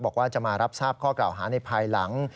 บอกว่าจะมารับทราบข้อกล่าวหาในภายหลัง